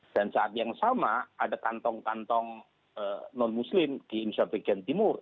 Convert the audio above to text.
dan saat yang sama ada kantong kantong non muslim di indonesia vekian timur